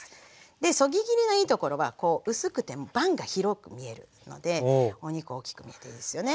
そぎ切りのいいところは薄くても盤が広く見えるのでお肉大きく見えていいですよね。